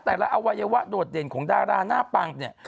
แต่ละอวัยวะโดดเด่นของดาราหน้าปังเนี่ย